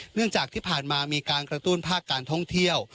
เนื่องจากที่ผ่านมามีการกระตุ้นภาคการท่องเที่ยว